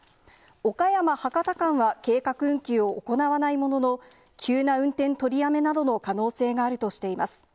岡山・博多間は計画運休を行わないものの、急な運転取りやめなどの可能性があるとしています。